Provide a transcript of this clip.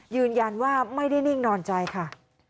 ยืนยันว่าไม่ได้นิ่งนอนใจค่ะ